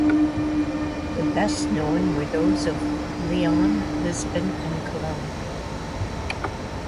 The best known were those of Lyon, Lisbon and Cologne.